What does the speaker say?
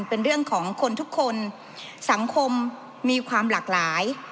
เป็นเรื่องของคนทุกคนสังคมมีความหลากหลาย